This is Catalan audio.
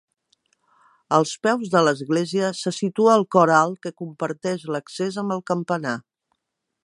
Als peus de l'església se situa el cor alt que comparteix l'accés amb el campanar.